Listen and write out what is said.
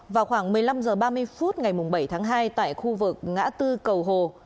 vào khoảng một mươi năm h ba mươi phút ngày bảy tháng hai tại khu vực ngã tư cầu hồ